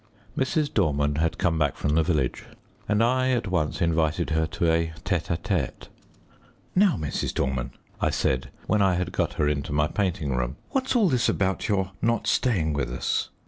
Mrs. Dorman had come back from the village, and I at once invited her to a tête à tête. "Now, Mrs. Dorman," I said, when I had got her into my painting room, "what's all this about your not staying with us?"